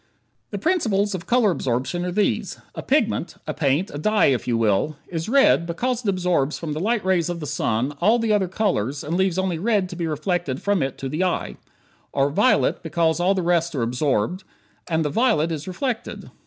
The principles of color absorption are these: a pigment a paint, a dye, if you will is "red" because it absorbs from the light rays of the sun all the other colors and leaves only red to be reflected from it to the eye. Or "violet" because all the rest are absorbed, and the violet is reflected.